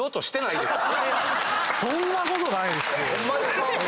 そんなことないですよ！